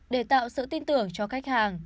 để tạo sự tin tưởng cho khách hàng